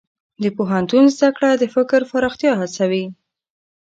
د پوهنتون زده کړه د فکر پراختیا هڅوي.